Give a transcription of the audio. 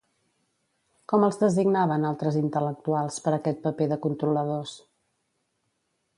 Com els designaven, altres intel·lectuals, per aquest paper de controladors?